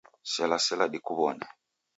Sela sela dikuw'one.